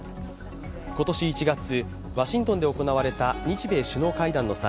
今年１月、ワシントンで行われた日米首脳会談の際